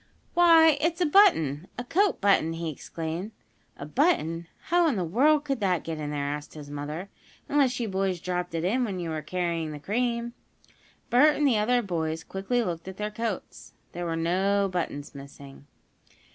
"Why, it's a button a coat button!" he exclaimed. "A button? How in the world could that get in there?" asked his mother. "Unless you boys dropped it in when you were carrying the cream." Bert and the other boys quickly looked at their coats. There were no buttons missing.